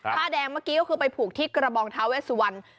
ผ้าแดงเมื่อกี้ก็คือไปผูกที่กระบองท้าเวสวัน